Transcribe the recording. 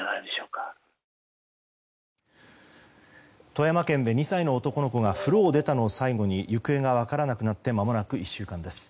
富山県で２歳の男の子が風呂を出たのを最後に行方が分からなくなってまもなく１週間です。